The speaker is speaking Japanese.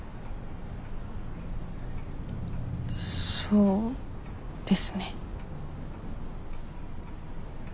そうですね。